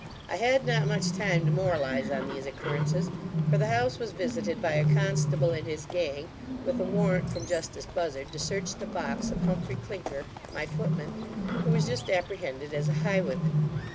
I had not much time to moralize on these occurrences; for the house was visited by a constable and his gang, with a warrant from Justice Buzzard, to search the box of Humphry Clinker, my footman, who was just apprehended as a highwayman.